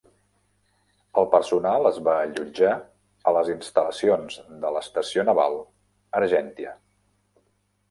El personal es va allotjar a les instal·lacions de l'Estació Naval Argentia.